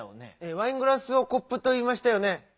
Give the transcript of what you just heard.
「ワイングラス」を「コップ」といいましたよね。